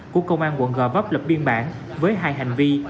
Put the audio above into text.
của công an quận gò vấp lập biên bản với hai hành vi